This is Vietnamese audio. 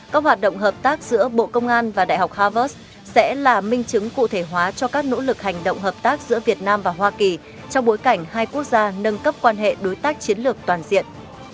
các hoạt động hợp tác giữa bộ công an và đại học harvard sẽ là minh chứng cụ thể hóa cho các nỗ lực hành động hợp tác giữa việt nam và hoa kỳ trong bối cảnh hai quốc gia nâng cấp quan hệ đối tác chiến lược toàn diện